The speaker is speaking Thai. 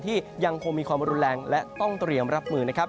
ยังคงมีความรุนแรงและต้องเตรียมรับมือนะครับ